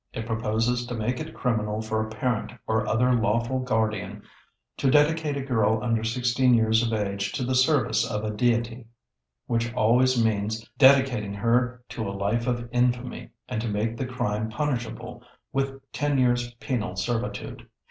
It proposes to make it criminal for a parent or other lawful guardian to dedicate a girl under sixteen years of age to 'the service of a deity,' which always means dedicating her to a life of infamy, and to make the crime punishable with ten years penal servitude.